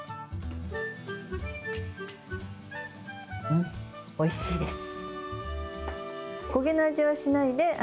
うん、おいしいです。